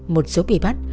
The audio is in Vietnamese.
một số bị bắt